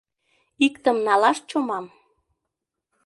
Иктым налаш чомам?